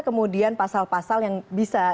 kemudian pasal pasal yang bisa